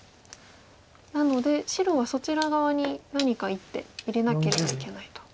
なので白はそちら側に何か１手入れなければいけないと。